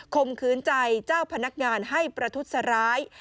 มขืนใจเจ้าพนักงานให้ประทุษร้าย